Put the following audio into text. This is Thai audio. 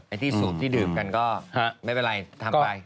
ที่สูบที่ดื่มกันก็ไม่เป็นไรทำไป